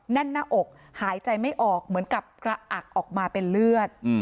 แน่นหน้าอกหายใจไม่ออกเหมือนกับกระอักออกมาเป็นเลือด